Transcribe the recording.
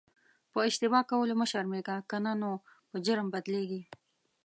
په اشتباه کولو مه شرمېږه که نه نو په جرم بدلیږي.